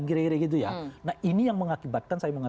nah ini yang mengakibatkan